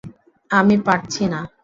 আমি পারছি না।